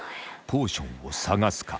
ポーションを探すか？